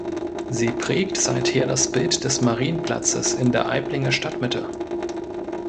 Sie prägt seither das Bild des Marienplatzes in der Aiblinger Stadtmitte.